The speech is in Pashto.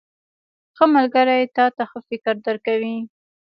• ښه ملګری تا ته ښه فکر درکوي.